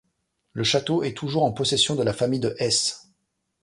Le château est toujours en possession de la famille de Hesse.